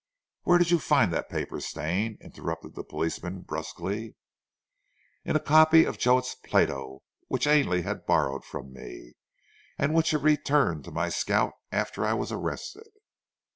"Where did you find that paper, Stane?" interrupted the policeman brusquely. "In a copy of Jowett's Plato which Ainley had borrowed from me, and which he returned to my scout after I was arrested."